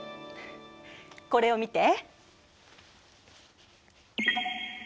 これを見て。